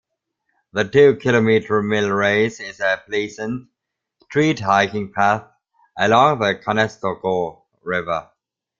The two-kilometre millrace is a pleasant, treed hiking path along the Conestogo River.